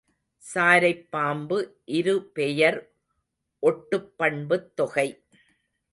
சாரைப் பாம்பு இரு பெயர் ஒட்டுப் பண்புத்தொகை.